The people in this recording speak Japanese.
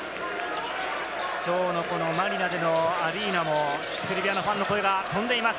きょうのこのマニラでのアリーナもセルビアのファンの声が飛んでいます。